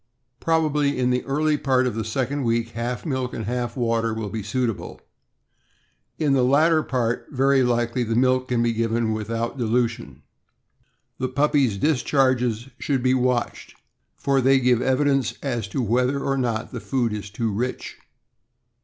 Probably in the early part of the second week half milk and half water will be suitable; in the latter part, very likely, the milk can be given without dilution. The puppies' discharges should be watched, for they give evidence as to whether or not the food is too rich.